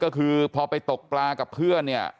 ก็คือพอไปตกปลากับเพื่อนเนี่ย